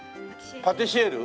パティシエール？